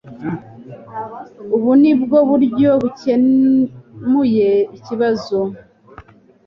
Ubu ni bwo buryo nakemuye ikibazo.